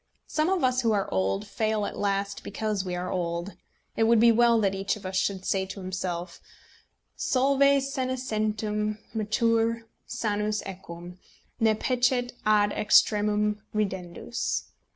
Some of us who are old fail at last because we are old. It would be well that each of us should say to himself, "Solve senescentem mature sanus equum, ne Peccet ad extremum ridendus."